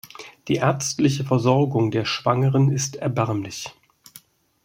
Die ärztliche Versorgung der Schwangeren ist erbärmlich.